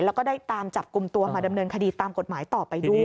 แล้วก็ได้ตามจับกลุ่มตัวมาดำเนินคดีตามกฎหมายต่อไปด้วย